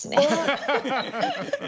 ハハハハッ！